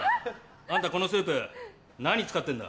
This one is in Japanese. あんたこのスープ何使ってんだ？